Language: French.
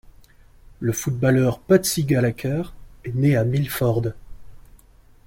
Le footballeur Patsy Gallacher est né à Milford.